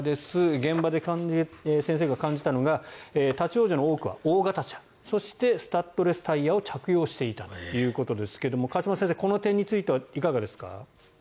現場で先生が感じたのが立ち往生の多くは大型車そして、スタッドレスタイヤを着用していたということですが河島先生、この点についてはいかがですか。